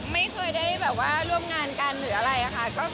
ไม่เคยได้แบบว่าร่วมงานกันหรืออะไรค่ะ